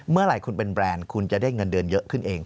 เมื่อไหร่คุณเป็นแบรนด์คุณจะได้เงินเดือนเยอะขึ้นเอง